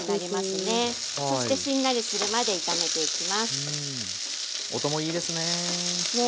ねえいいですね。